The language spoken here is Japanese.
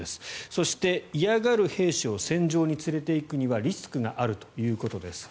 そして、嫌がる兵士を戦場に連れていくにはリスクがあるということです。